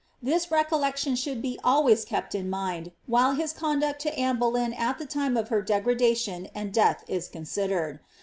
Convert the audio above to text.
This recollection should be always kept in mind, while his conduct to Anne Boleyn at the time of her degradation and death is considered.